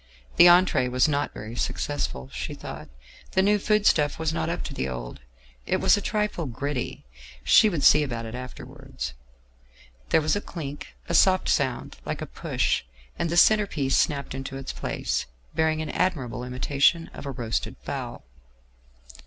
The entree was not very successful, she thought; the new food stuff was not up to the old, it was a trifle gritty: she would see about it afterwards. There was a clink, a soft sound like a push, and the centre piece snapped into its place, bearing an admirable imitation of a roasted fowl.